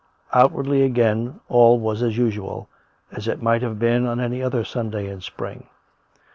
Outwardly, again, all was as usual — as it might have been on any other Sunday in spring.